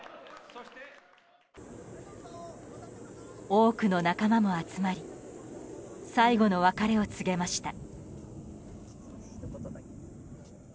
多くの仲間も集まり最後の別れを告げました。